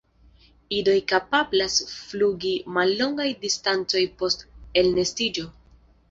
Idoj kapablas flugi mallongajn distancojn post elnestiĝo.